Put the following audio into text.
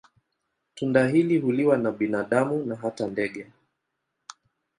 Tunda hili huliwa na binadamu na hata ndege.